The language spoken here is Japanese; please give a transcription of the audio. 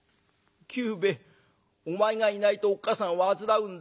「久兵衛お前がいないとおっ母さん患うんだよ。